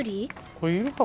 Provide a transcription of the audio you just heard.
これいるか？